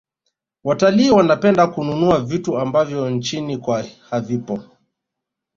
watalii wanapenda kununua vitu ambavyo nchini kwao havipo